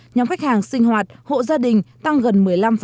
nhóm khách hàng sinh hoạt hộ gia đình tăng gần một mươi năm